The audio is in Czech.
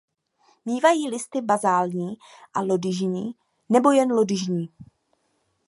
Mívají listy bazální a lodyžní nebo jen lodyžní.